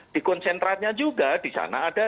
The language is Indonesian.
di konsentratnya juga disana ada